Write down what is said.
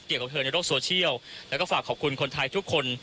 ของเธอในโลกโซเชียลแล้วก็ฝากขอบคุณคนไทยทุกคน